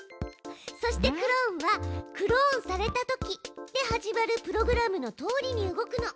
そしてクローンは「クローンされたとき」で始まるプログラムのとおりに動くの。